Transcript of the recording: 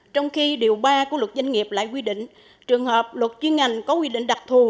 trong khi điều ba của luật doanh nghiệp lại quy định trường hợp luật chuyên ngành có quy định đặc thù